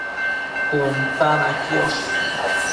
cun ta na iccosh